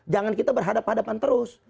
jangan kita berhadapan hadapan terus